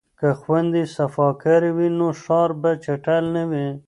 که خویندې صفاکارې وي نو ښار به چټل نه وي.